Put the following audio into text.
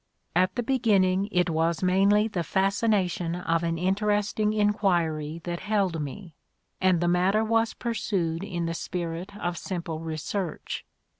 At the beginning it was mainly the fascination of an interesting enquiry that held me, and the matter was pursued in the spirit of simple research.